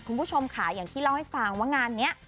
คุณผู้ชมค่ะอย่างที่เล่าให้ฟังว่างานนี้